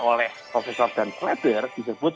oleh profesor dan flatwer disebut